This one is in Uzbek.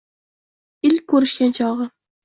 Ilk ko’rishgan chog’?